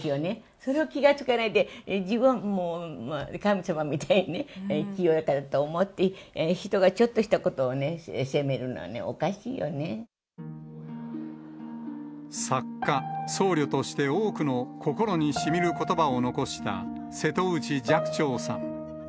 それを気が付かないで、自分、もう神様みたいだと、清らかだと思って、人がちょっとしたことを作家、僧侶として、多くの心にしみることばを残した瀬戸内寂聴さん。